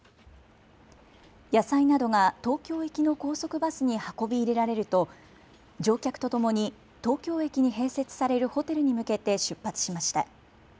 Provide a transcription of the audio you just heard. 野菜などが東京行きの高速バスに運び入れられると乗客とともに東京駅に併設されるホテルに向けて出発しました。